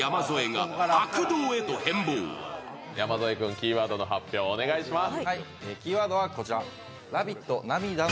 キーワードの発表、お願いします。